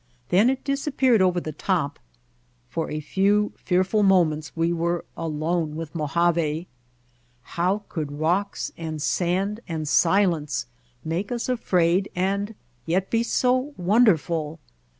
Then it dis appeared over the top. For a few fearful mo ments we were alone with Mojave. How could rocks and sand and silence make us afraid and yet be so wonderful?